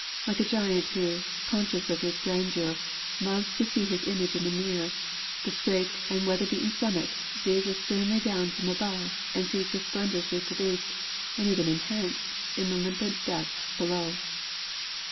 Like a giant who, conscious of his grandeur, loves to see his image in the mirror, the scarped and weather beaten summit gazes sternly down from above and sees his splendors reproduced, and even enhanced, in the limpid depths below.